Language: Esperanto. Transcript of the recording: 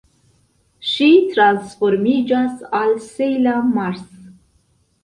Ŝi transformiĝas al Sejla Mars.